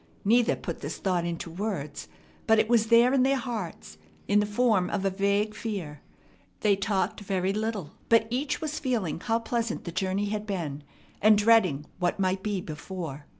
Neither put this thought into words, but it was there in their hearts, in the form of a vague fear. They talked very little, but each was feeling how pleasant the journey had been, and dreading what might be before.